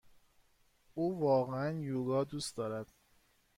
او واقعا یوگا دوست دارد.